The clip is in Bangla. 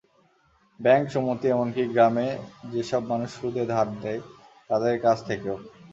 ব্যাংক, সমিতি এমনকি গ্রামে যেসব মানুষ সুদে ধার দেয়, তাদের কাছ থেকেও।